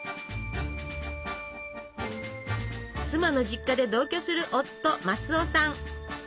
妻の実家で同居する夫マスオさん。